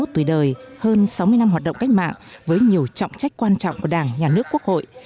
sáu mươi tuổi đời hơn sáu mươi năm hoạt động cách mạng với nhiều trọng trách quan trọng của đảng nhà nước quốc hội